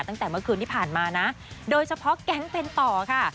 ตั้งแต่เมื่อคืนที่ผ่านมานะโดยเฉพาะแก๊งเป็นต่อค่ะ